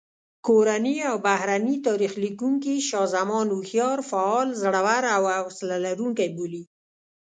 کورني او بهرني تاریخ لیکونکي شاه زمان هوښیار، فعال، زړور او حوصله لرونکی بولي.